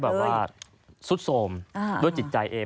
ก็บอกว่าโพสาสก็ซุดซมด้วยจิตใจเอง